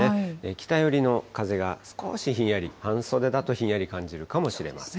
北寄りの風が少しひんやり、半袖だとひんやり感じるかもしれません。